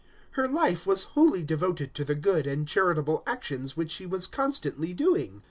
Her life was wholly devoted to the good and charitable actions which she was constantly doing.